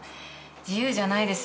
自由じゃないですよね。